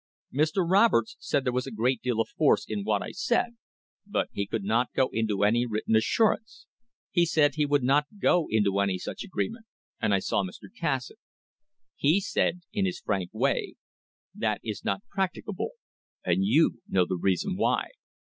Mr. Roberts said there was a great deal of force in what I said, but he could not go into any written assurance. He said he would not go into any such agreement, and I saw Mr. Cassatt. He said in his frank way; 'That is not prac ticable, and you know the reason why.'"